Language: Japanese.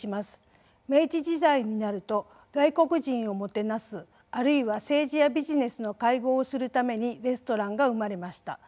明治時代になると外国人をもてなすあるいは政治やビジネスの会合をするためにレストランが生まれました。